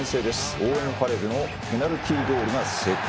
オーウェン・ファレルのペナルティゴールが成功。